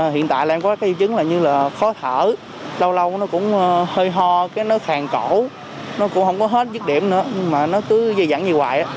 hiện tại đang có cái chứng là như là khó thở lâu lâu nó cũng hơi ho cái nó thang cổ nó cũng không có hết dứt điểm nữa mà nó cứ dây dặn như vậy